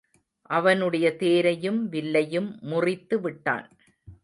அவனுடைய தேரையும் வில்லையும் முறித்து விட்டான்.